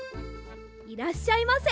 いらっしゃいませ。